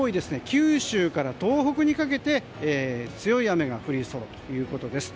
九州から東北にかけて強い雨が降りそうです。